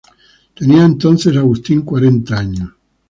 Tenía entonces Agustín cuarenta años.